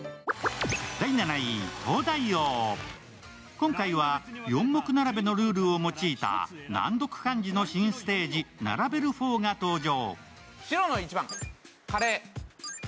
今回は四目並べのルールを用いた難読漢字の新ステージ「ナラベル４」が登場。